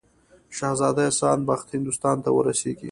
شهزاده احسان بخت هندوستان ته ورسیږي.